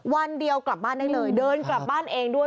วันเดียวกลับบ้านได้เลยเดินกลับบ้านเองด้วย